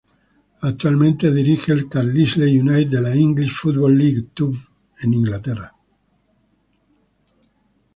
Actualmente dirige al Carlisle United de la English Football League Two de Inglaterra.